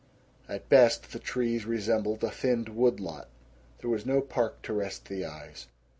At best the trees resembled a thinned woodlot. There was no park to rest the eyes.